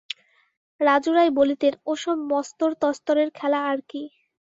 রাজু রায় বলিতেন-ও সব মস্তর-তস্তরের খেলা আর কি!